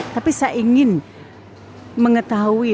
tapi saya ingin mengetahui